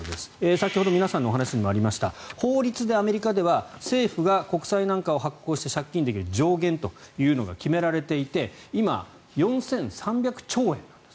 先ほど皆さんのお話にもありました法律でアメリカでは政府が国債なんかを発行して借金できる上限というのが決められていて今、４３００兆円なんです。